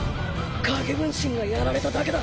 影分身がやられただけだ。